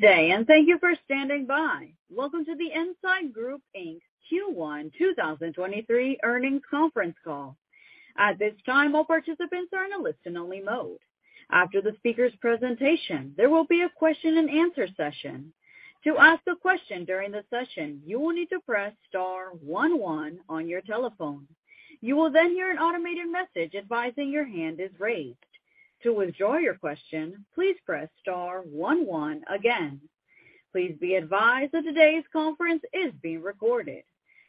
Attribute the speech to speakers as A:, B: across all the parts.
A: Good day. Thank you for standing by. Welcome to the Ensign Group Inc.'s Q1 2023 Earnings Conference Call. At this time, all participants are in a listen-only mode. After the speaker's presentation, there will be a question-and-answer session. To ask a question during the session, you will need to press star one one on your telephone. You will then hear an automated message advising your hand is raised. To withdraw your question, please press star one one again. Please be advised that today's conference is being recorded.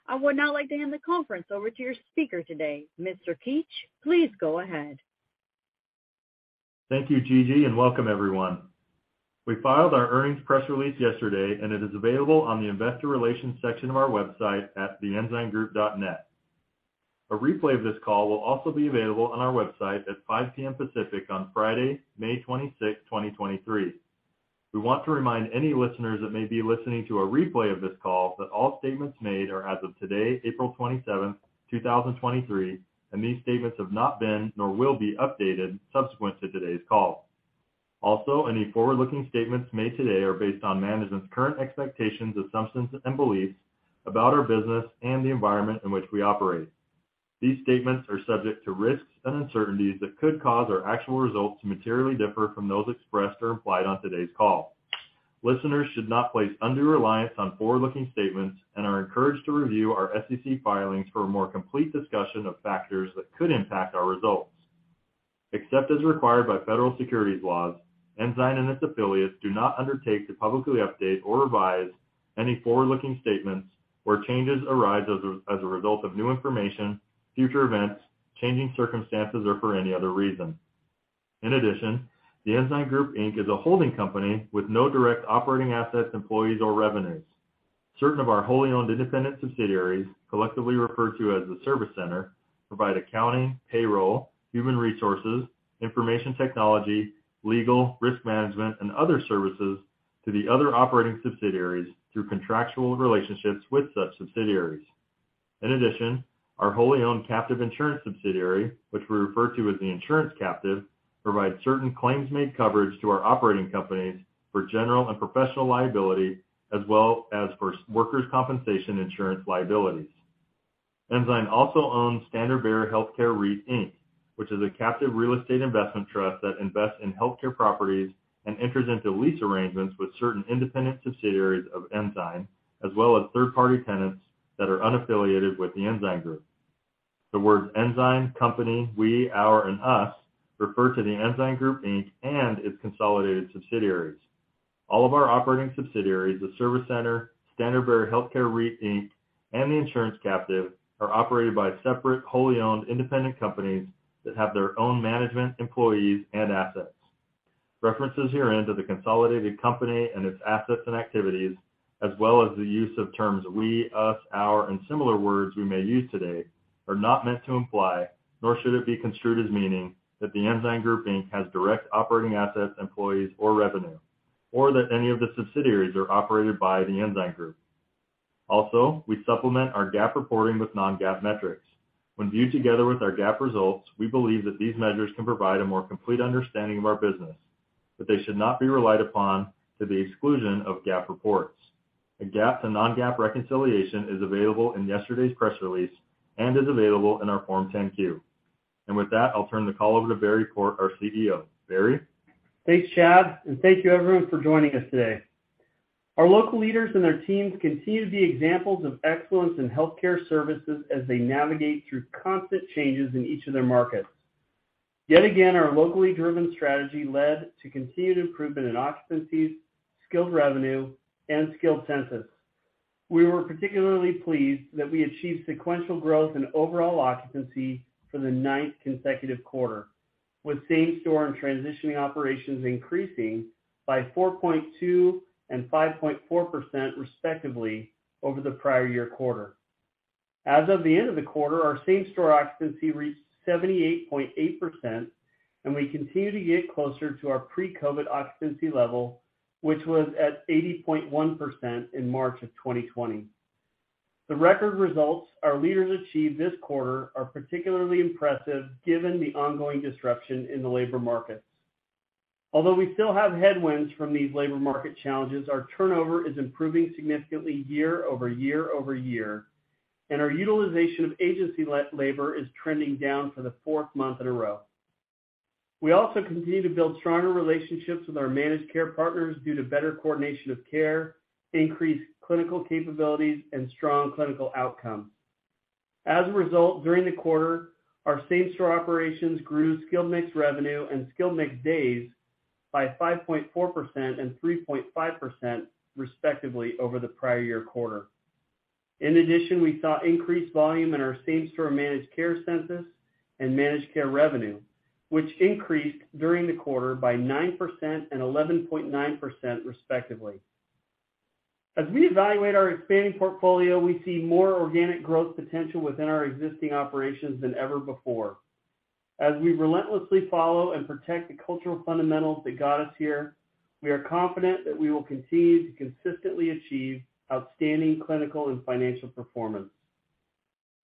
A: I would now like to hand the conference over to your speaker today, Mr. Keetch. Please go ahead.
B: Thank you, Gigi, and welcome everyone. We filed our earnings press release yesterday, and it is available on the investor relations section of our website at ensigngroup.net. A replay of this call will also be available on our website at 5:00 P.M. Pacific on Friday, May 26, 2023. We want to remind any listeners that may be listening to a replay of this call that all statements made are as of today, April 27, 2023, and these statements have not been nor will be updated subsequent to today's call. Any forward-looking statements made today are based on management's current expectations, assumptions, and beliefs about our business and the environment in which we operate. These statements are subject to risks and uncertainties that could cause our actual results to materially differ from those expressed or implied on today's call. Listeners should not place undue reliance on forward-looking statements and are encouraged to review our SEC filings for a more complete discussion of factors that could impact our results. Except as required by federal securities laws, Ensign and its affiliates do not undertake to publicly update or revise any forward-looking statements where changes arise as a result of new information, future events, changing circumstances, or for any other reason. The Ensign Group, Inc. is a holding company with no direct operating assets, employees, or revenues. Certain of our wholly owned independent subsidiaries, collectively referred to as the service center, provide accounting, payroll, human resources, information technology, legal, risk management, and other services to the other operating subsidiaries through contractual relationships with such subsidiaries. In addition, our wholly owned captive insurance subsidiary, which we refer to as the insurance captive, provides certain claims-made coverage to our operating companies for general and professional liability as well as for workers' compensation insurance liabilities. Ensign also owns Standard Bearer Healthcare REIT, Inc., which is a captive real estate investment trust that invests in healthcare properties and enters into lease arrangements with certain independent subsidiaries of Ensign, as well as third-party tenants that are unaffiliated with the Ensign group. The words Ensign, company, we, our, and us refer to The Ensign Group, Inc. and its consolidated subsidiaries. All of our operating subsidiaries, the service center, Standard Bearer Healthcare REIT, Inc., and the insurance captive, are operated by separate, wholly owned independent companies that have their own management, employees, and assets. References herein to the consolidated company and its assets and activities, as well as the use of terms we, us, our, and similar words we may use today, are not meant to imply, nor should it be construed as meaning, that The Ensign Group, Inc. has direct operating assets, employees, or revenue, or that any of the subsidiaries are operated by The Ensign Group. We supplement our GAAP reporting with non-GAAP metrics. When viewed together with our GAAP results, we believe that these measures can provide a more complete understanding of our business, but they should not be relied upon to the exclusion of GAAP reports. A GAAP to non-GAAP reconciliation is available in yesterday's press release and is available in our Form 10-Q. With that, I'll turn the call over to Barry Port, our CEO. Barry?
C: Thanks, Chad. Thank you everyone for joining us today. Our local leaders and their teams continue to be examples of excellence in healthcare services as they navigate through constant changes in each of their markets. Yet again, our locally driven strategy led to continued improvement in occupancies, skilled revenue, and skilled census. We were particularly pleased that we achieved sequential growth in overall occupancy for the ninth consecutive quarter, with same-store and transitioning operations increasing by 4.2% and 5.4% respectively over the prior year quarter. As of the end of the quarter, our same-store occupancy reached 78.8%, and we continue to get closer to our pre-COVID occupancy level, which was at 80.1% in March 2020. The record results our leaders achieved this quarter are particularly impressive given the ongoing disruption in the labor markets. Although we still have headwinds from these labor market challenges, our turnover is improving significantly year-over-year, and our utilization of agency labor is trending down for the fourth month in a row. We also continue to build stronger relationships with our managed care partners due to better coordination of care, increased clinical capabilities, and strong clinical outcomes. As a result, during the quarter, our same-store operations grew skilled mix revenue and skilled mix days by 5.4% and 3.5% respectively over the prior year quarter. In addition, we saw increased volume in our same-store managed care census and managed care revenue, which increased during the quarter by 9% and 11.9% respectively. As we evaluate our expanding portfolio, we see more organic growth potential within our existing operations than ever before. As we relentlessly follow and protect the cultural fundamentals that got us here, we are confident that we will continue to consistently achieve outstanding clinical and financial performance.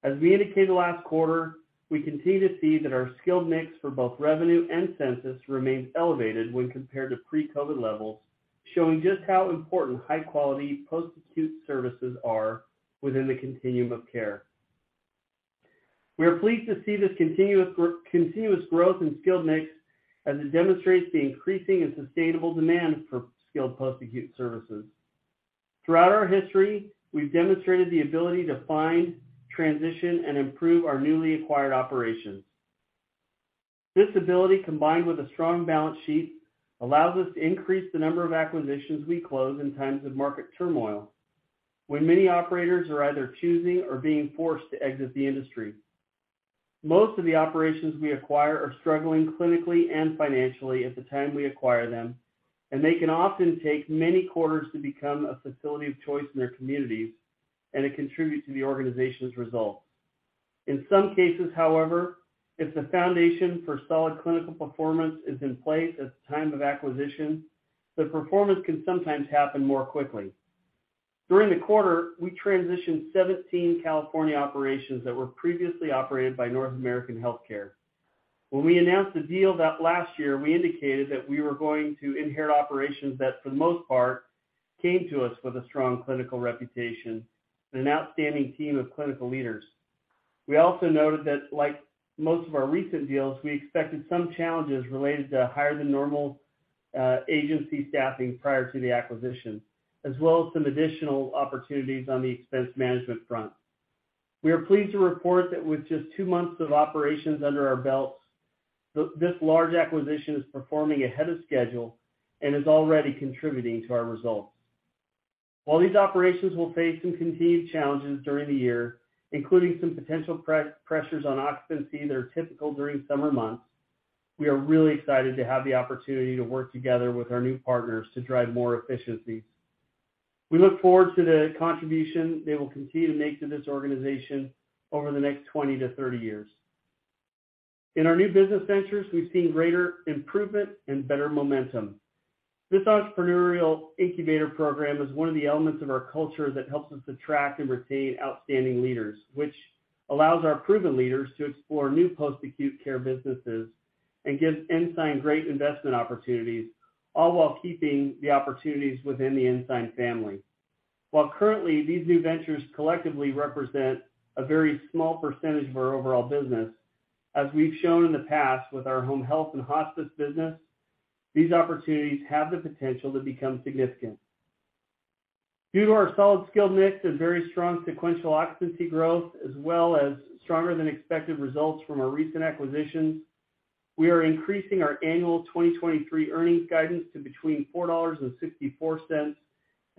C: As we indicated last quarter, we continue to see that our skilled mix for both revenue and census remains elevated when compared to pre-COVID levels, showing just how important high-quality post-acute services are within the continuum of care. We are pleased to see this continuous growth in skilled mix as it demonstrates the increasing and sustainable demand for skilled post-acute services. Throughout our history, we've demonstrated the ability to find, transition, and improve our newly acquired operations. This ability, combined with a strong balance sheet, allows us to increase the number of acquisitions we close in times of market turmoil when many operators are either choosing or being forced to exit the industry. Most of the operations we acquire are struggling clinically and financially at the time we acquire them, and they can often take many quarters to become a facility of choice in their communities and to contribute to the organization's results. In some cases, however, if the foundation for solid clinical performance is in place at the time of acquisition, the performance can sometimes happen more quickly. During the quarter, we transitioned 17 California operations that were previously operated by North American Health Care. When we announced the deal that last year, we indicated that we were going to inherit operations that, for the most part, came to us with a strong clinical reputation and an outstanding team of clinical leaders. We also noted that, like most of our recent deals, we expected some challenges related to higher-than-normal agency staffing prior to the acquisition, as well as some additional opportunities on the expense management front. We are pleased to report that with just 2 months of operations under our belts, this large acquisition is performing ahead of schedule and is already contributing to our results. While these operations will face some continued challenges during the year, including some potential pre-pressures on occupancy that are typical during summer months, we are really excited to have the opportunity to work together with our new partners to drive more efficiencies. We look forward to the contribution they will continue to make to this organization over the next 20-30 years. In our new business ventures, we've seen greater improvement and better momentum. This entrepreneurial incubator program is one of the elements of our culture that helps us attract and retain outstanding leaders, which allows our proven leaders to explore new post-acute care businesses and gives Ensign great investment opportunities, all while keeping the opportunities within the Ensign family. While currently, these new ventures collectively represent a very small percentage of our overall business, as we've shown in the past with our home health and hospice business, these opportunities have the potential to become significant. Due to our solid skilled mix and very strong sequential occupancy growth as well as stronger-than-expected results from our recent acquisitions, we are increasing our annual 2023 earnings guidance to between $4.64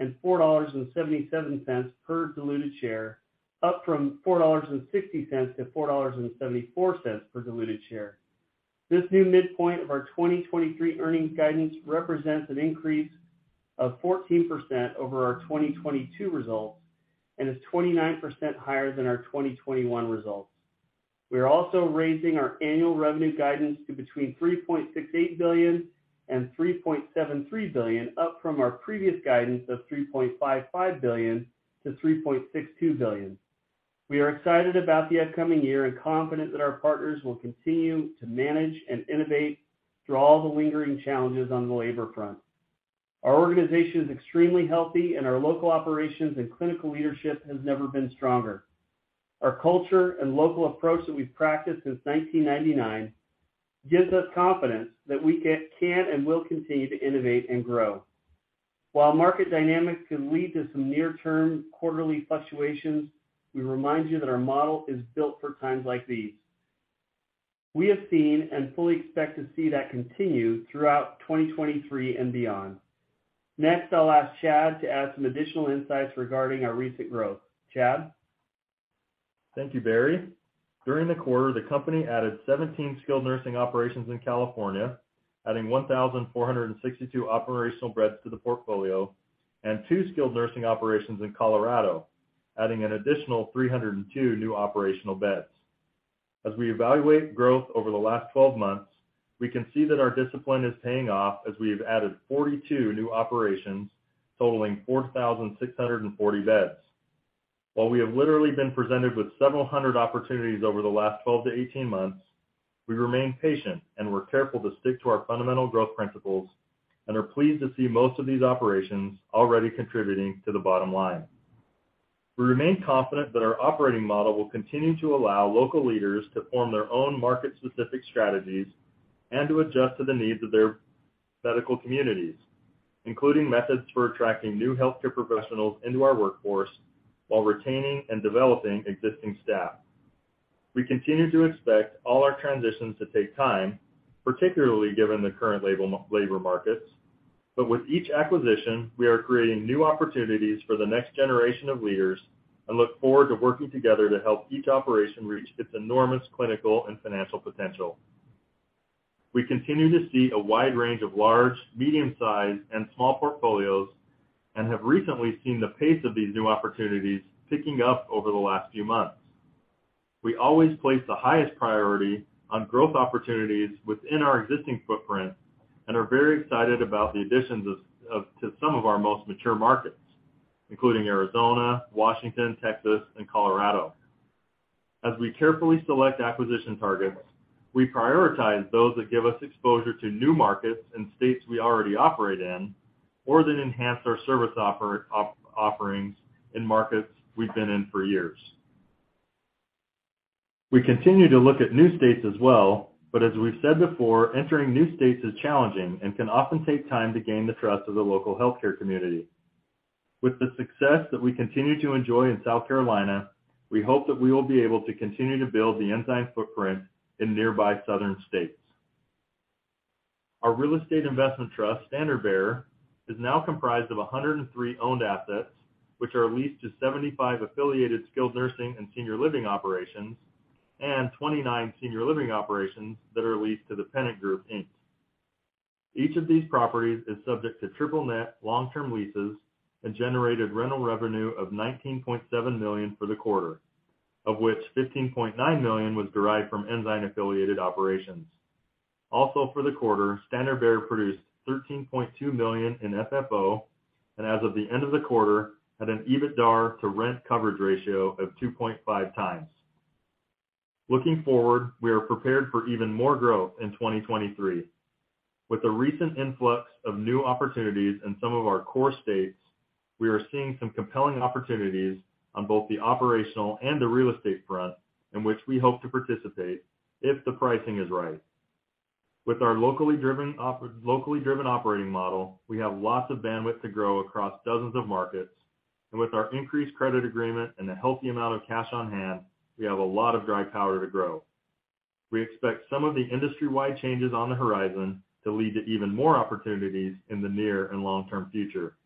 C: and $4.77 per diluted share, up from $4.60 to $4.74 per diluted share. This new midpoint of our 2023 earnings guidance represents an increase of 14% over our 2022 results and is 29% higher than our 2021 results. We are also raising our annual revenue guidance to between $3.68 billion and $3.73 billion, up from our previous guidance of $3.55 billion to $3.62 billion. We are excited about the upcoming year and confident that our partners will continue to manage and innovate through all the lingering challenges on the labor front. Our organization is extremely healthy and our local operations and clinical leadership has never been stronger. Our culture and local approach that we've practiced since 1999 gives us confidence that we can and will continue to innovate and grow. While market dynamics can lead to some near-term quarterly fluctuations, we remind you that our model is built for times like these. We have seen and fully expect to see that continue throughout 2023 and beyond. Next, I'll ask Chad to add some additional insights regarding our recent growth. Chad?
B: Thank you, Barry. During the quarter, the company added 17 skilled nursing operations in California, adding 1,462 operational beds to the portfolio, and 2 skilled nursing operations in Colorado, adding an additional 302 new operational beds. As we evaluate growth over the last 12 months, we can see that our discipline is paying off as we have added 42 new operations totaling 4,640 beds. While we have literally been presented with several hundred opportunities over the last 12-18 months, we remain patient and we're careful to stick to our fundamental growth principles and are pleased to see most of these operations already contributing to the bottom line. We remain confident that our operating model will continue to allow local leaders to form their own market-specific strategies and to adjust to the needs of their medical communities, including methods for attracting new healthcare professionals into our workforce while retaining and developing existing staff. We continue to expect all our transitions to take time, particularly given the current labor markets. With each acquisition, we are creating new opportunities for the next generation of leaders and look forward to working together to help each operation reach its enormous clinical and financial potential. We continue to see a wide range of large, medium-sized, and small portfolios and have recently seen the pace of these new opportunities picking up over the last few months. We always place the highest priority on growth opportunities within our existing footprint. Are very excited about the additions to some of our most mature markets, including Arizona, Washington, Texas, and Colorado. As we carefully select acquisition targets, we prioritize those that give us exposure to new markets in states we already operate in or that enhance our service offerings in markets we've been in for years. We continue to look at new states as well, but as we've said before, entering new states is challenging and can often take time to gain the trust of the local healthcare community. With the success that we continue to enjoy in South Carolina, we hope that we will be able to continue to build the Ensign footprint in nearby southern states. Our real estate investment trust, Standard Bearer, is now comprised of 103 owned assets, which are leased to 75 affiliated skilled nursing and senior living operations and 29 senior living operations that are leased to The Pennant Group, Inc. Each of these properties is subject to triple-net long-term leases and generated rental revenue of $19.7 million for the quarter, of which $15.9 million was derived from Ensign affiliated operations. Also for the quarter, Standard Bearer produced $13.2 million in FFO and as of the end of the quarter, had an EBITDAR to rent coverage ratio of 2.5 times. Looking forward, we are prepared for even more growth in 2023. With the recent influx of new opportunities in some of our core states, we are seeing some compelling opportunities on both the operational and the real estate front in which we hope to participate if the pricing is right. With our locally driven operating model, we have lots of bandwidth to grow across dozens of markets. With our increased credit agreement and a healthy amount of cash on hand, we have a lot of dry powder to grow. We expect some of the industry-wide changes on the horizon to lead to even more opportunities in the near and long-term future.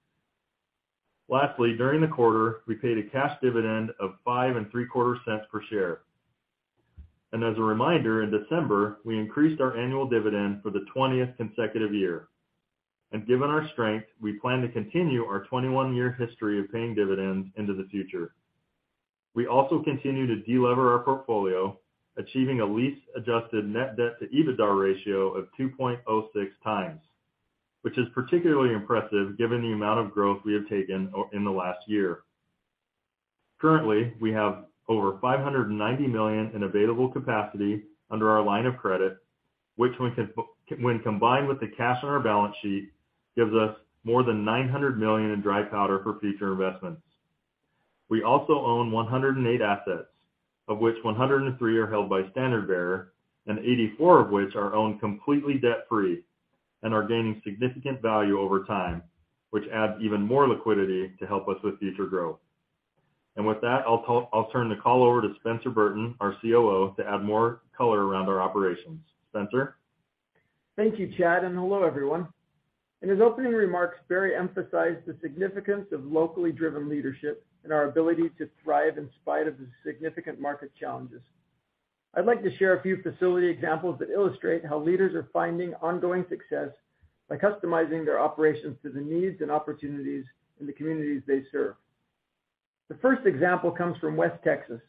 B: Lastly, during the quarter, we paid a cash dividend of five and three quarter cents per share. As a reminder, in December, we increased our annual dividend for the 20th consecutive year. Given our strength, we plan to continue our 21-year history of paying dividends into the future. We also continue to de-lever our portfolio, achieving a lease adjusted net debt to EBITDAR ratio of 2.06 times, which is particularly impressive given the amount of growth we have taken in the last year. Currently, we have over $590 million in available capacity under our line of credit, which when combined with the cash on our balance sheet, gives us more than $900 million in dry powder for future investments. We also own 108 assets, of which 103 are held by Standard Bearer and 84 of which are owned completely debt-free and are gaining significant value over time, which adds even more liquidity to help us with future growth. With that, I'll turn the call over to Spencer Burton, our COO, to add more color around our operations. Spencer?
D: Thank you, Chad. Hello, everyone. In his opening remarks, Barry emphasized the significance of locally driven leadership and our ability to thrive in spite of the significant market challenges. I'd like to share a few facility examples that illustrate how leaders are finding ongoing success by customizing their operations to the needs and opportunities in the communities they serve. The first example comes from West Texas.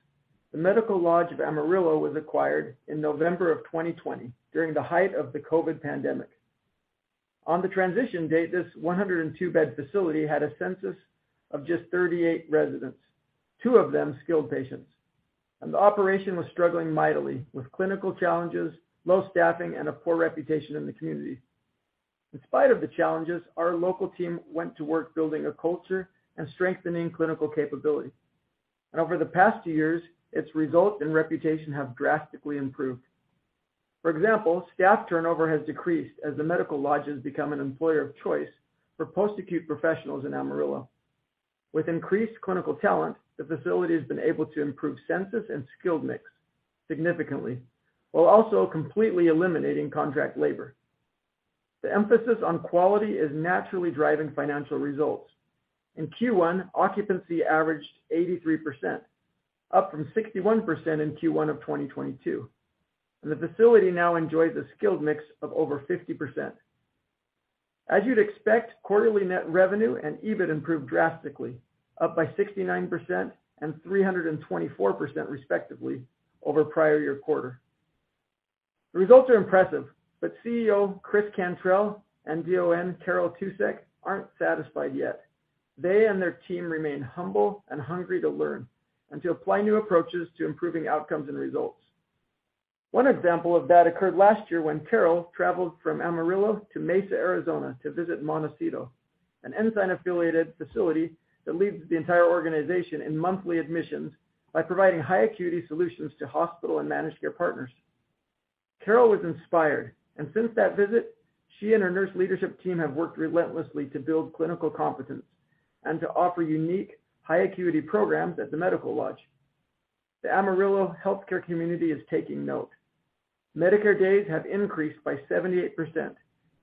D: The Medical Lodge of Amarillo was acquired in November of 2020 during the height of the COVID pandemic. On the transition date, this 102-bed facility had a census of just 38 residents, two of them skilled patients. The operation was struggling mightily with clinical challenges, low staffing, and a poor reputation in the community. In spite of the challenges, our local team went to work building a culture and strengthening clinical capability. Over the past two years, its results and reputation have drastically improved. For example, staff turnover has decreased as The Medical Lodge has become an employer of choice for post-acute professionals in Amarillo. With increased clinical talent, the facility has been able to improve census and skilled mix significantly, while also completely eliminating contract labor. The emphasis on quality is naturally driving financial results. In Q1, occupancy averaged 83%, up from 61% in Q1 of 2022. The facility now enjoys a skilled mix of over 50%. As you'd expect, quarterly net revenue and EBIT improved drastically, up by 69% and 324% respectively over prior year quarter. The results are impressive, but CEO Chris Cantrell and DON Carol Tuczek aren't satisfied yet. They and their team remain humble and hungry to learn and to apply new approaches to improving outcomes and results. One example of that occurred last year when Carol traveled from Amarillo to Mesa, Arizona to visit Montecito, an Ensign affiliated facility that leads the entire organization in monthly admissions by providing high acuity solutions to hospital and managed care partners. Carol was inspired, and since that visit, she and her nurse leadership team have worked relentlessly to build clinical competence and to offer unique high acuity programs at the Medical Lodge. The Amarillo healthcare community is taking note. Medicare days have increased by 78%,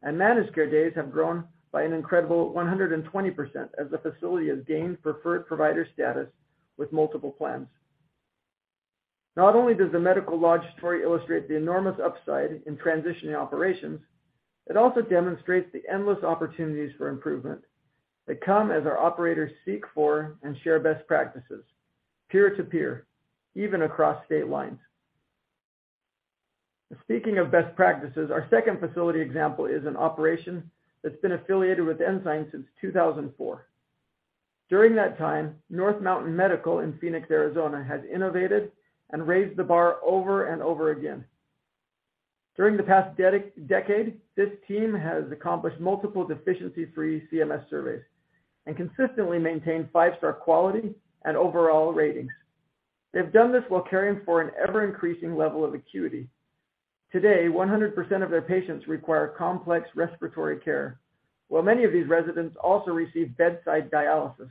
D: and managed care days have grown by an incredible 120% as the facility has gained preferred provider status with multiple plans. Not only does the Medical Lodge story illustrate the enormous upside in transitioning operations, it also demonstrates the endless opportunities for improvement that come as our operators seek for and share best practices. Peer-to-peer, even across state lines. Speaking of best practices, our second facility example is an operation that's been affiliated with Ensign since 2004. During that time, North Mountain Medical in Phoenix, Arizona, has innovated and raised the bar over and over again. During the past decade, this team has accomplished multiple deficiency-free CMS surveys and consistently maintained five-star quality and overall ratings. They've done this while caring for an ever-increasing level of acuity. Today, 100% of their patients require complex respiratory care, while many of these residents also receive bedside dialysis.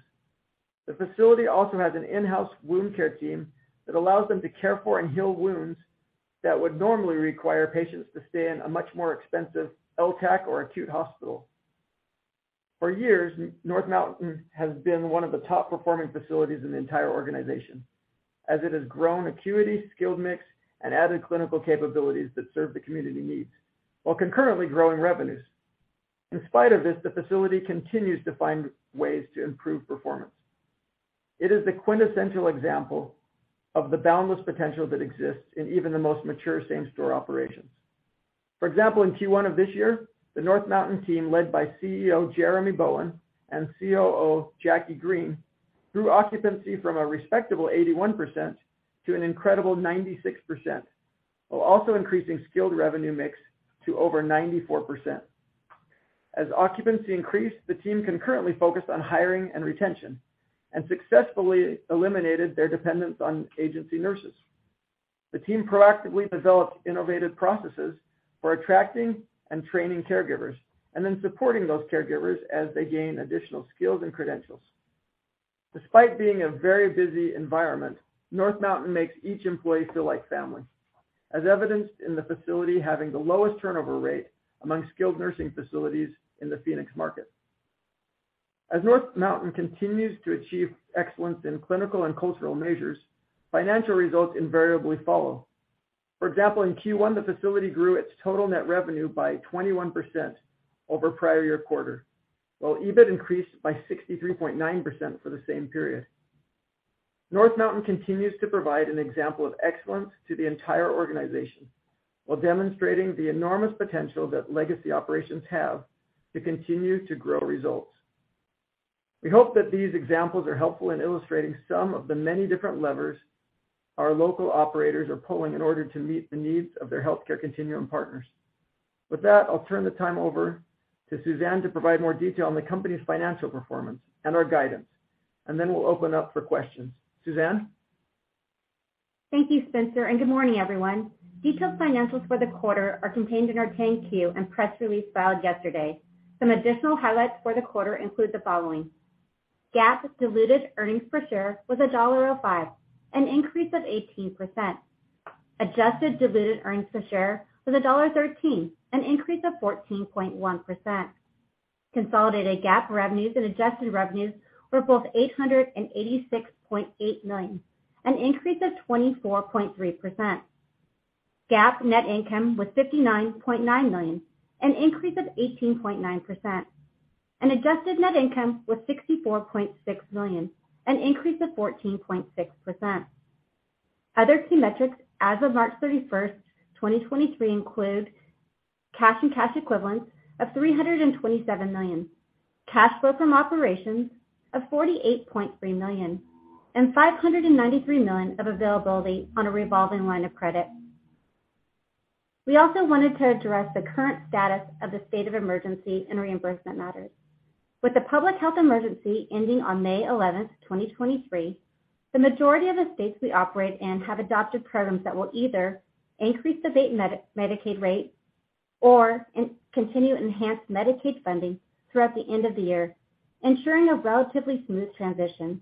D: The facility also has an in-house wound care team that allows them to care for and heal wounds that would normally require patients to stay in a much more expensive LTAC or acute hospital. For years, North Mountain has been one of the top-performing facilities in the entire organization, as it has grown acuity, skilled mix, and added clinical capabilities that serve the community needs while concurrently growing revenues. In spite of this, the facility continues to find ways to improve performance. It is the quintessential example of the boundless potential that exists in even the most mature same-store operations. For example, in Q1 of this year, the North Mountain team, led by CEO Jeremy Bowen and COO Jackie Green, grew occupancy from a respectable 81% to an incredible 96%, while also increasing skilled revenue mix to over 94%. As occupancy increased, the team concurrently focused on hiring and retention and successfully eliminated their dependence on agency nurses. The team proactively developed innovative processes for attracting and training caregivers, and then supporting those caregivers as they gain additional skills and credentials. Despite being a very busy environment, North Mountain makes each employee feel like family, as evidenced in the facility having the lowest turnover rate among skilled nursing facilities in the Phoenix market. As North Mountain continues to achieve excellence in clinical and cultural measures, financial results invariably follow. For example, in Q1, the facility grew its total net revenue by 21% over prior year quarter, while EBIT increased by 63.9% for the same period. North Mountain continues to provide an example of excellence to the entire organization while demonstrating the enormous potential that legacy operations have to continue to grow results. We hope that these examples are helpful in illustrating some of the many different levers our local operators are pulling in order to meet the needs of their healthcare continuum partners. With that, I'll turn the time over to Suzanne to provide more detail on the company's financial performance and our guidance, and then we'll open up for questions. Suzanne?
E: Thank you, Spencer, and good morning, everyone. Detailed financials for the quarter are contained in our 10-Q and press release filed yesterday. Some additional highlights for the quarter include the following: GAAP diluted earnings per share was $1.05, an increase of 18%. Adjusted diluted earnings per share was $1.13, an increase of 14.1%. Consolidated GAAP revenues and adjusted revenues were both $886.8 million, an increase of 24.3%. GAAP net income was $59.9 million, an increase of 18.9%. Adjusted net income was $64.6 million, an increase of 14.6%. Other key metrics as of March 31, 2023 include cash and cash equivalents of $327 million, cash flow from operations of $48.3 million, and $593 million of availability on a revolving line of credit. We also wanted to address the current status of the state of emergency and reimbursement matters. With the public health emergency ending on May 11, 2023, the majority of the states we operate in have adopted programs that will either increase the Medicaid rate or continue enhanced Medicaid funding throughout the end of the year, ensuring a relatively smooth transition.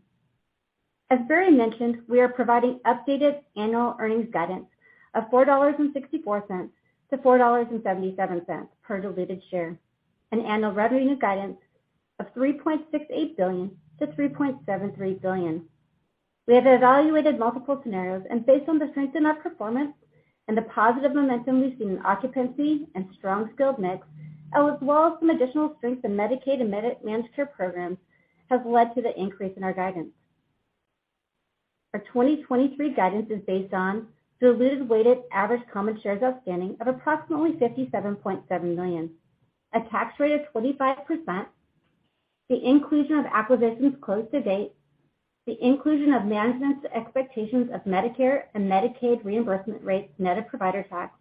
E: As Barry mentioned, we are providing updated annual earnings guidance of $4.64-$4.77 per diluted share, and annual revenue guidance of $3.68 billion-$3.73 billion. We have evaluated multiple scenarios, and based on the strength in our performance and the positive momentum we've seen in occupancy and strong skilled mix, as well as some additional strength in Medicaid and managed care programs, has led to the increase in our guidance. Our 2023 guidance is based on diluted weighted average common shares outstanding of approximately 57.7 million, a tax rate of 25%, the inclusion of acquisitions closed to date, the inclusion of management's expectations of Medicare and Medicaid reimbursement rates net of provider tax,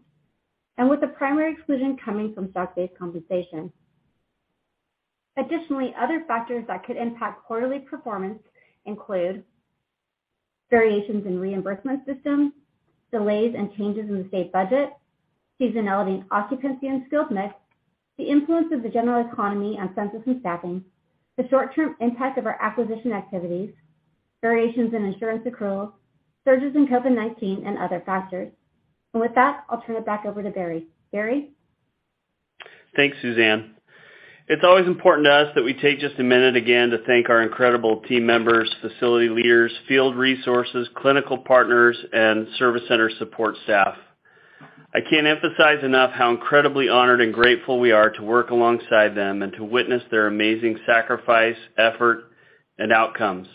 E: with the primary exclusion coming from stock-based compensation. Additionally, other factors that could impact quarterly performance include variations in reimbursement systems, delays and changes in the state budget, seasonality in occupancy and skilled mix, the influence of the general economy on census and staffing, the short-term impact of our acquisition activities, variations in insurance accruals, surges in COVID-19, and other factors. With that, I'll turn it back over to Barry. Barry?
D: Thanks, Suzanne. It's always important to us that we take just a minute again to thank our incredible team members, facility leaders, field resources, clinical partners, and service center support staff.
C: I can't emphasize enough how incredibly honored and grateful we are to work alongside them and to witness their amazing sacrifice, effort, and outcomes.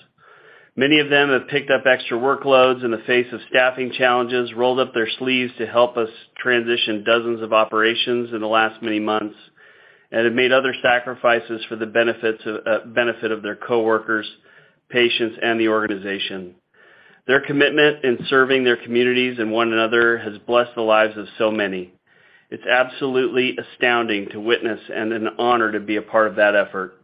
C: Many of them have picked up extra workloads in the face of staffing challenges, rolled up their sleeves to help us transition dozens of operations in the last many months, and have made other sacrifices for the benefits of benefit of their coworkers, patients, and the organization. Their commitment in serving their communities and one another has blessed the lives of so many. It's absolutely astounding to witness and an honor to be a part of that effort.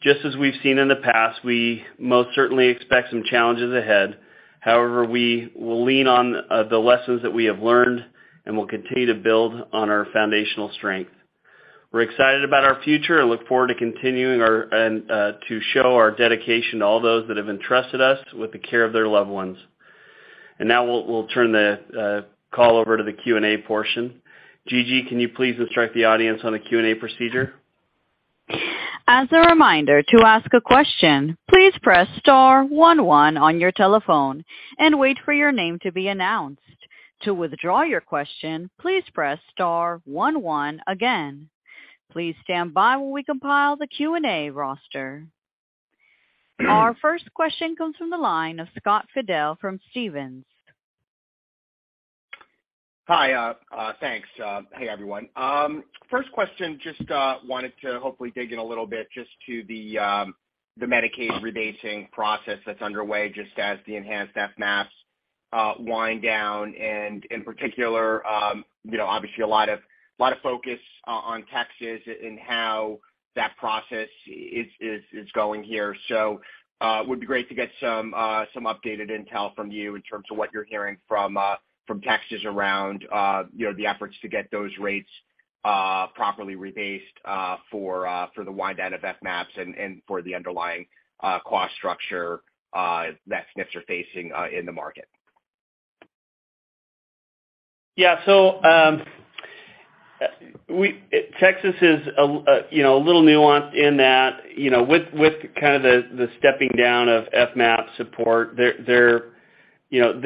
C: Just as we've seen in the past, we most certainly expect some challenges ahead. We will lean on the lessons that we have learned, and we'll continue to build on our foundational strength. We're excited about our future and look forward to continuing to show our dedication to all those that have entrusted us with the care of their loved ones. Now we'll turn the call over to the Q&A portion. Gigi, can you please instruct the audience on the Q&A procedure?
A: As a reminder, to ask a question, please press star one one on your telephone and wait for your name to be announced. To withdraw your question, please press star one one again. Please stand by while we compile the Q&A roster. Our first question comes from the line of Scott Fidel from Stephens.
F: Hi. Thanks. Hey, everyone. First question, just wanted to hopefully dig in a little bit just to the Medicaid rebasing process that's underway, just as the enhanced FMAPs wind down, and in particular, you know, obviously a lot of focus on Texas and how that process is going here. It would be great to get some updated intel from you in terms of what you're hearing from Texas around, you know, the efforts to get those rates properly rebased for the wind down of FMAPs and for the underlying cost structure that SNFs are facing in the market.
C: Yeah. Texas is a you know, a little nuanced in that, you know, with kind of the stepping down of FMAP support, there, you know,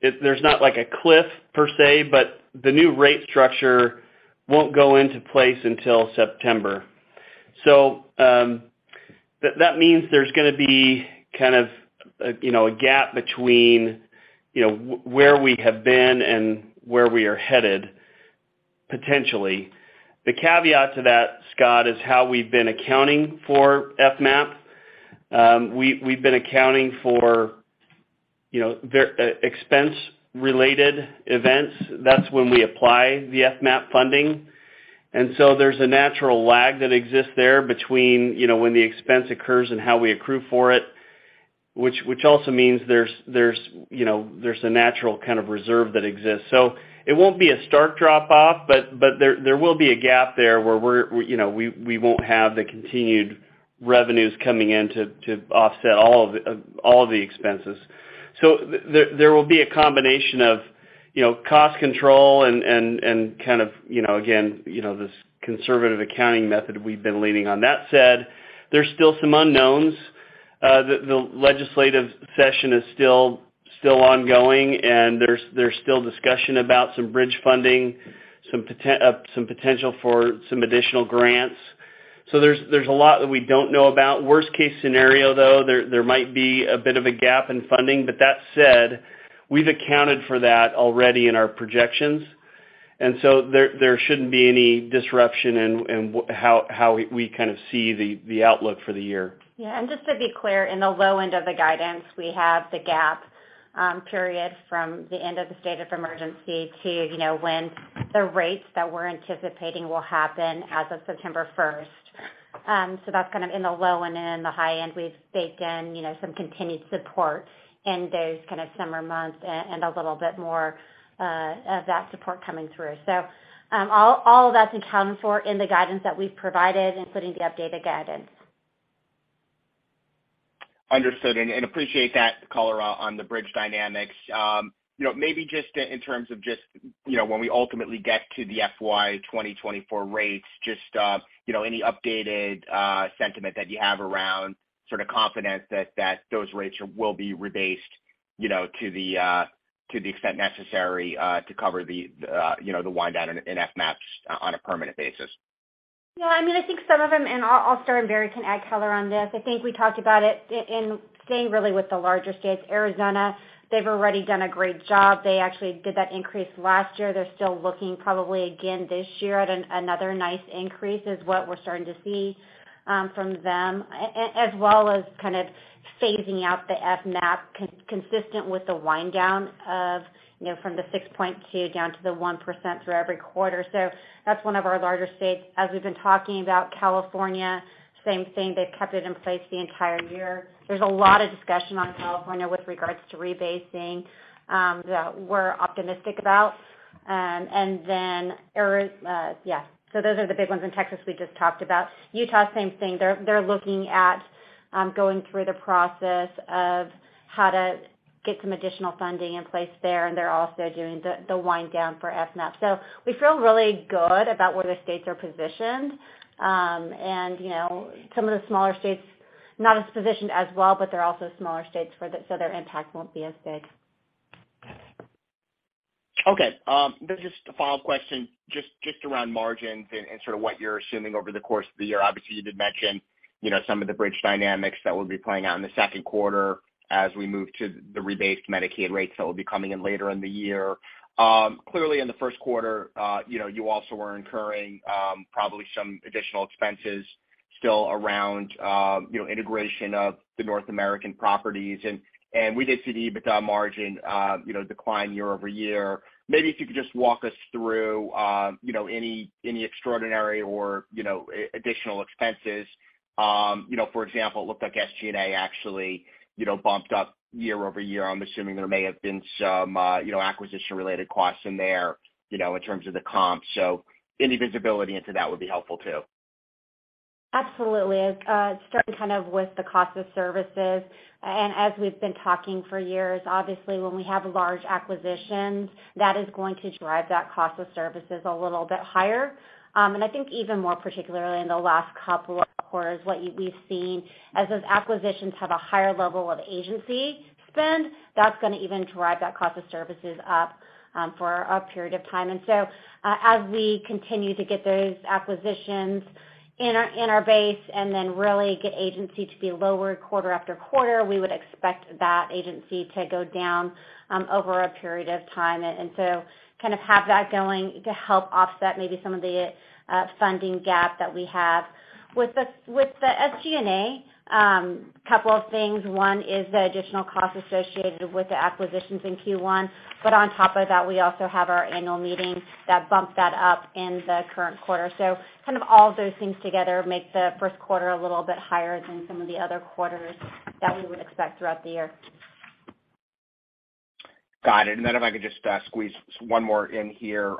C: There's not like a cliff per se, but the new rate structure won't go into place until September. That, that means there's gonna be kind of, you know, a gap between, you know, where we have been and where we are headed, potentially. The caveat to that, Scott, is how we've been accounting for FMAP. We, we've been accounting for, you know, expense-related events. That's when we apply the FMAP funding. There's a natural lag that exists there between, you know, when the expense occurs and how we accrue for it, which also means there's, you know, there's a natural kind of reserve that exists. It won't be a stark drop off, but there will be a gap there where we're, you know, we won't have the continued revenues coming in to offset all of the expenses. There will be a combination of, you know, cost control and kind of, you know, again, you know, this conservative accounting method we've been leaning on. That said, there's still some unknowns. The legislative session is still ongoing, and there's still discussion about some bridge funding, some potential for some additional grants. There's a lot that we don't know about. Worst case scenario, though, there might be a bit of a gap in funding. That said, we've accounted for that already in our projections, there shouldn't be any disruption in how we kind of see the outlook for the year.
E: Yeah. Just to be clear, in the low end of the guidance, we have the gap period from the end of the state of emergency to, you know, when the rates that we're anticipating will happen as of September first. That's kind of in the low and in the high end. We've baked in, you know, some continued support in those kind of summer months and a little bit more of that support coming through. All of that's accounted for in the guidance that we've provided, including the updated guidance.
F: Understood. And appreciate that color on the bridge dynamics. You know, maybe just in terms of, you know, when we ultimately get to the FY 2024 rates, you know, any updated sentiment that you have around sort of confidence that those rates will be rebased, you know, to the extent necessary to cover the, you know, the wind down in FMAPs on a permanent basis?
E: I mean, I think some of them, and I'll start, and Barry can add color on this, I think we talked about it in staying really with the larger states. Arizona, they've already done a great job. They actually did that increase last year. They're still looking probably again this year at another nice increase is what we're starting to see from them, as well as kind of phasing out the FMAP consistent with the wind down of, you know, from the 6.2 down to the 1% through every quarter. That's one of our larger states. As we've been talking about California, same thing. They've kept it in place the entire year. There's a lot of discussion on California with regards to rebasing that we're optimistic about. Yeah, those are the big ones. In Texas, we just talked about. Utah, same thing. They're looking at going through the process of how to get some additional funding in place there, and they're also doing the wind down for FMAP. We feel really good about where the states are positioned. you know, some of the smaller states Not as positioned as well, but they're also smaller states so their impact won't be as big.
F: Okay. This is the final question, just around margins and sort of what you're assuming over the course of the year. Obviously, you did mention, you know, some of the bridge dynamics that will be playing out in the second quarter as we move to the rebased Medicaid rates that will be coming in later in the year. Clearly, in the first quarter, you know, you also were incurring, probably some additional expenses still around, you know, integration of the North American properties. We did see the EBITDA margin, you know, decline year-over-year. Maybe if you could just walk us through, you know, any extraordinary or, you know, additional expenses. You know, for example, it looked like SG&A actually, you know, bumped up year-over-year. I'm assuming there may have been some, you know, acquisition-related costs in there, you know, in terms of the comp. Any visibility into that would be helpful too.
E: Absolutely. Starting kind of with the cost of services, and as we've been talking for years, obviously when we have large acquisitions, that is going to drive that cost of services a little bit higher. And I think even more particularly in the last couple of quarters, what we've seen as those acquisitions have a higher level of agency spend, that's gonna even drive that cost of services up for a period of time. As we continue to get those acquisitions in our base and then really get agency to be lower quarter after quarter, we would expect that agency to go down over a period of time. And so kind of have that going to help offset maybe some of the funding gap that we have. With the SG&A, couple of things. One is the additional costs associated with the acquisitions in Q1. On top of that, we also have our annual meeting that bumped that up in the current quarter. Kind of all of those things together make the first quarter a little bit higher than some of the other quarters that we would expect throughout the year.
F: Got it. If I could just squeeze one more in here,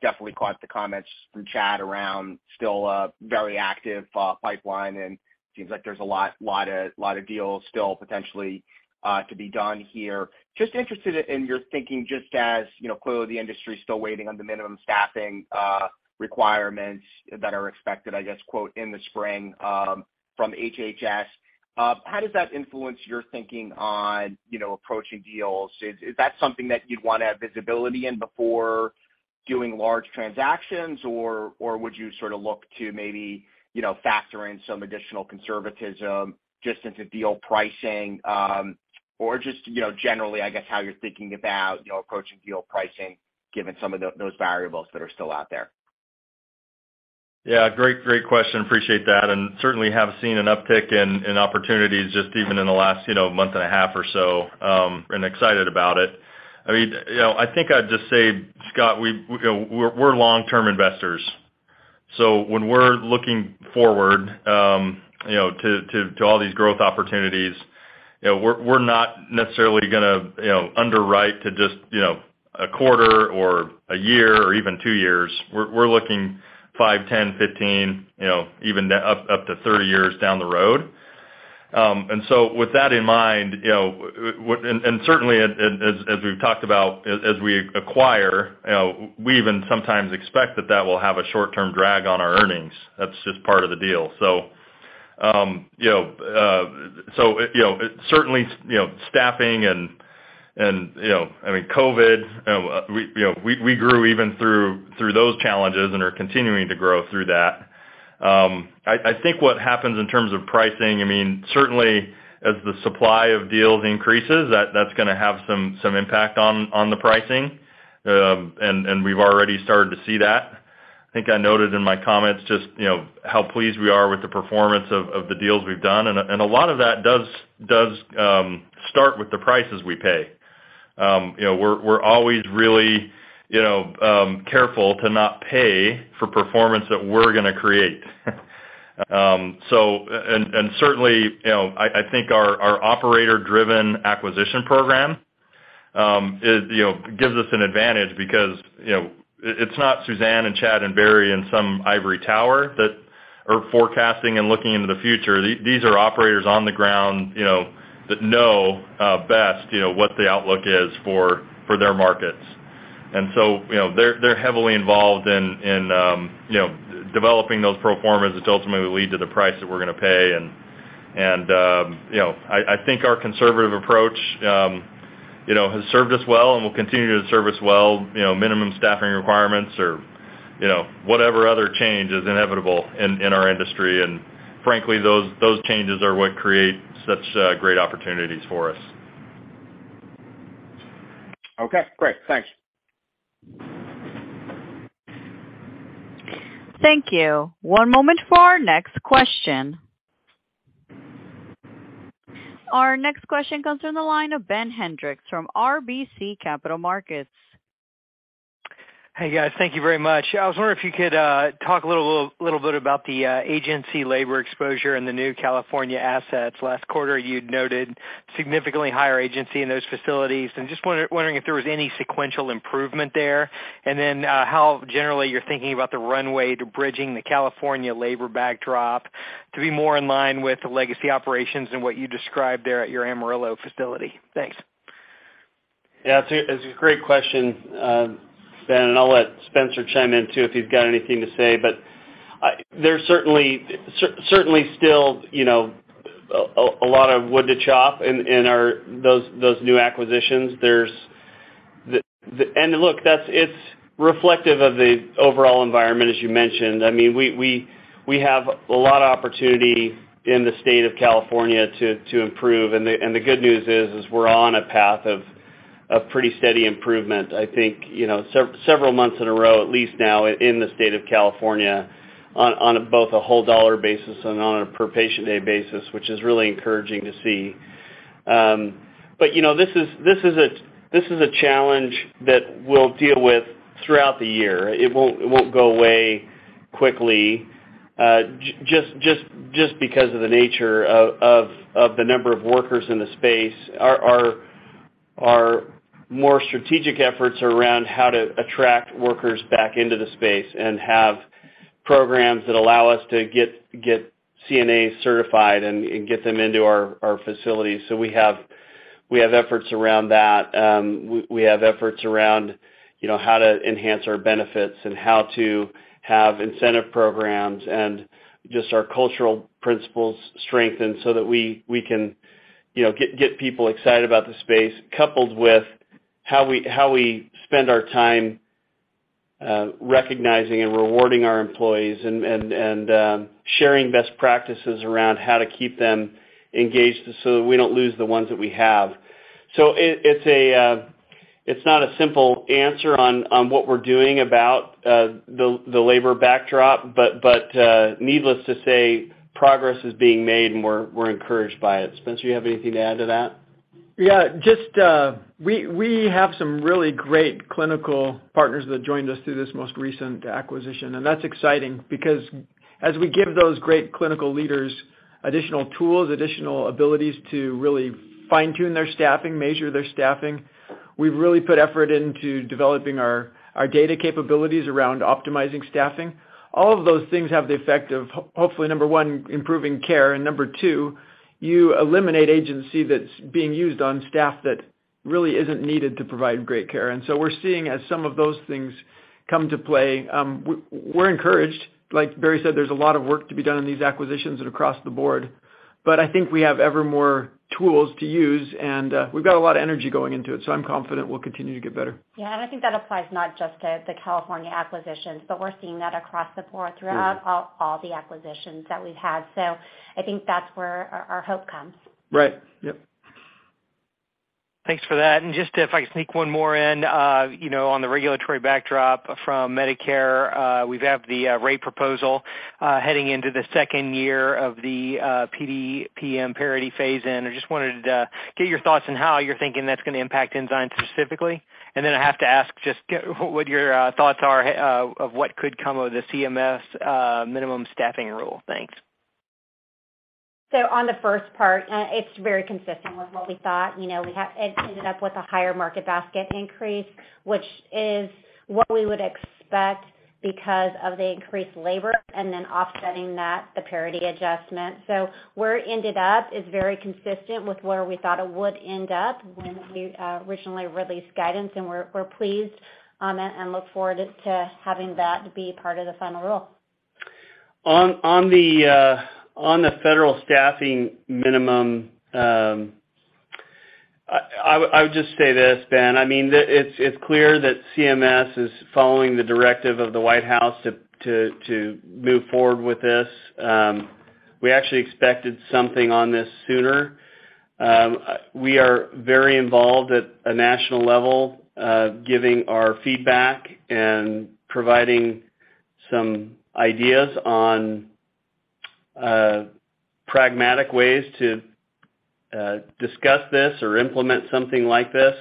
F: definitely caught the comments from Chad around still a very active pipeline, and seems like there's a lot of deals still potentially to be done here. Just interested in your thinking just as, you know, clearly the industry is still waiting on the minimum staffing requirements that are expected, I guess, quote, "in the spring," from HHS. How does that influence your thinking on, you know, approaching deals? Is that something that you'd wanna have visibility in before doing large transactions, or would you sort of look to maybe, you know, factor in some additional conservatism just into deal pricing? just, you know, generally, I guess, how you're thinking about, you know, approaching deal pricing given some of those variables that are still out there.
B: Yeah, great question. Appreciate that. Certainly have seen an uptick in opportunities just even in the last, you know, month and a half or so, excited about it. I mean, you know, I think I'd just say, Scott, we, you know, we're long-term investors. When we're looking forward, you know, to all these growth opportunities, you know, we're not necessarily gonna, you know, underwrite to just, you know, a quarter or a year or even two years. We're looking five, 10, 15, you know, even up to 30 years down the road. With that in mind, you know, and certainly as we've talked about, as we acquire, you know, we even sometimes expect that that will have a short-term drag on our earnings. That's just part of the deal. You know, certainly, you know, staffing and, you know, I mean COVID, you know, we, you know, we grew even through those challenges and are continuing to grow through that. I think what happens in terms of pricing, I mean, certainly as the supply of deals increases, that's gonna have some impact on the pricing. We've already started to see that. I think I noted in my comments just, you know, how pleased we are with the performance of the deals we've done. A lot of that does start with the prices we pay. You know, we're always really, you know, careful to not pay for performance that we're gonna create. Certainly, you know, I think our operator-driven acquisition program is, you know, gives us an advantage because, you know, it's not Suzanne and Chad and Barry in some ivory tower that are forecasting and looking into the future. These are operators on the ground, you know, that know best, you know, what the outlook is for their markets. You know, they're heavily involved in, you know, developing those pro formas which ultimately lead to the price that we're gonna pay. You know, I think our conservative approach, you know, has served us well and will continue to serve us well, you know, minimum staffing requirements or, you know, whatever other change is inevitable in our industry. frankly, those changes are what create such great opportunities for us.
F: Okay, great. Thanks.
E: Thank you. One moment for our next question. Our next question comes from the line of Ben Hendrix from RBC Capital Markets.
G: Hey, guys. Thank you very much. I was wondering if you could talk a little bit about the agency labor exposure in the new California assets. Last quarter, you'd noted significantly higher agency in those facilities. Just wondering if there was any sequential improvement there? Then, how generally you're thinking about the runway to bridging the California labor backdrop to be more in line with the legacy operations and what you described there at your Amarillo facility? Thanks.
C: Yeah, it's a great question, Ben, and I'll let Spencer chime in too if he's got anything to say. There's certainly still, you know, a lot of wood to chop in those new acquisitions. There's. Look, that's reflective of the overall environment, as you mentioned. I mean, we have a lot of opportunity in the state of California to improve. The good news is, we're on a path of pretty steady improvement, I think, you know, several months in a row, at least now in the state of California on both a whole dollar basis and on a per patient day basis, which is really encouraging to see. You know, this is, this is a challenge that we'll deal with throughout the year. It won't go away quickly. Just because of the nature of the number of workers in the space. Our more strategic efforts around how to attract workers back into the space and have programs that allow us to get CNAs certified and get them into our facilities. We have efforts around that. We have efforts around, you know, how to enhance our benefits and how to have incentive programs and just our cultural principles strengthened so that we can, you know, get people excited about the space, coupled with how we spend our time, recognizing and rewarding our employees and sharing best practices around how to keep them engaged so that we don't lose the ones that we have. It's not a simple answer on what we're doing about the labor backdrop, but needless to say, progress is being made, and we're encouraged by it. Spencer, you have anything to add to that?
D: Yeah. Just, we have some really great clinical partners that joined us through this most recent acquisition, and that's exciting because as we give those great clinical leaders additional tools, additional abilities to really fine-tune their staffing, measure their staffing, we've really put effort into developing our data capabilities around optimizing staffing. All of those things have the effect of hopefully, number 1, improving care, and number 2, you eliminate agency that's being used on staff that really isn't needed to provide great care. We're seeing as some of those things come to play, we're encouraged. Like Barry said, there's a lot of work to be done in these acquisitions and across the board. I think we have ever more tools to use, we've got a lot of energy going into it, so I'm confident we'll continue to get better.
E: Yeah. I think that applies not just to the California acquisitions, but we're seeing that across the board throughout all the acquisitions that we've had. I think that's where our hope comes.
D: Right. Yep.
G: Thanks for that. Just if I can sneak one more in, you know, on the regulatory backdrop from Medicare, we've had the rate proposal heading into the second year of the PDPM parity phase-in. I just wanted to get your thoughts on how you're thinking that's gonna impact Ensign specifically. Then I have to ask just what your thoughts are of what could come of the CMS minimum staffing rule. Thanks.
E: On the first part, it's very consistent with what we thought. You know, it ended up with a higher market basket increase, which is what we would expect because of the increased labor and then offsetting that, the parity adjustment. Where it ended up is very consistent with where we thought it would end up when we originally released guidance, and we're pleased and look forward to having that be part of the final rule.
C: On, on the, on the federal staffing minimum, I would just say this, Ben. I mean, it's clear that CMS is following the directive of the White House to move forward with this. We actually expected something on this sooner. We are very involved at a national level, giving our feedback and providing some ideas on pragmatic ways to discuss this or implement something like this.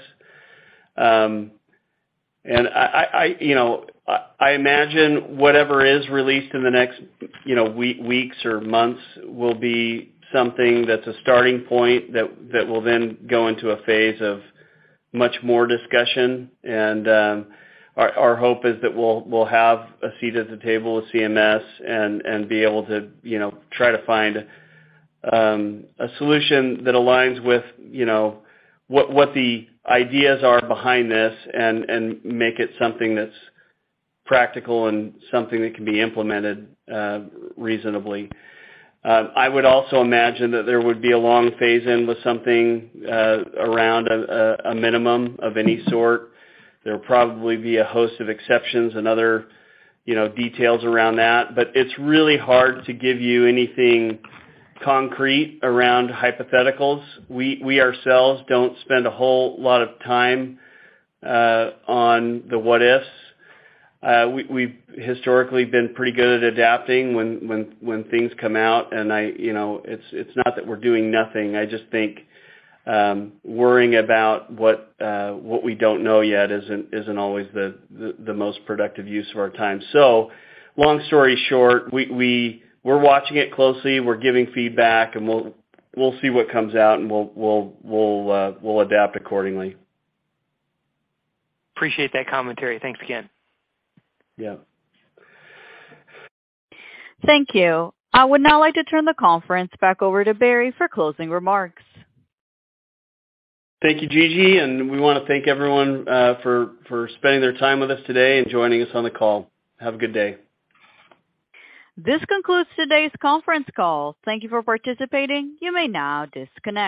C: I, you know, I imagine whatever is released in the next, you know, weeks or months will be something that's a starting point that will then go into a phase of much more discussion. Our hope is that we'll have a seat at the table with CMS and be able to, you know, try to find a solution that aligns with, you know, what the ideas are behind this and make it something that's practical and something that can be implemented reasonably. I would also imagine that there would be a long phase-in with something around a minimum of any sort. There'll probably be a host of exceptions and other, you know, details around that. It's really hard to give you anything concrete around hypotheticals. We ourselves don't spend a whole lot of time on the what-ifs. We've historically been pretty good at adapting when things come out, and I, you know, it's not that we're doing nothing. I just think worrying about what we don't know yet isn't always the most productive use of our time. Long story short, we're watching it closely. We're giving feedback, and we'll see what comes out, and we'll adapt accordingly.
G: Appreciate that commentary. Thanks again.
C: Yeah.
A: Thank you. I would now like to turn the conference back over to Barry for closing remarks.
C: Thank you, Gigi. We wanna thank everyone, for spending their time with us today and joining us on the call. Have a good day.
A: This concludes today's conference call. Thank you for participating. You may now disconnect.